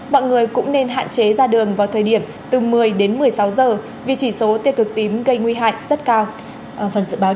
mọi người cũng nên hạn chế ra đường vào thời điểm từ một mươi đến một mươi sáu giờ vì chỉ số tiêu cực tím gây nguy hại rất cao